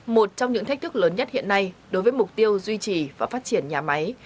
một trong những thách thức lớn nhất hiện nay đối với mục tiêu duy trì và phát triển nhà máy